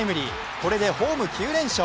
これでホーム９連勝。